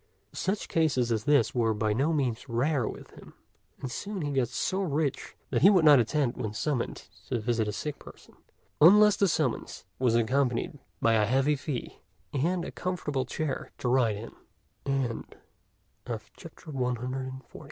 Such cases as this were by no means rare with him; and soon he got so rich that he would not attend when summoned to visit a sick person, unless the summons was accompanied by a heavy fee and a comfortable chair t